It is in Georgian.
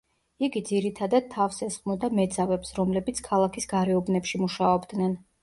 იგი ძირითადად თავს ესხმოდა მეძავებს, რომლებიც ქალაქის გარეუბნებში მუშაობდნენ.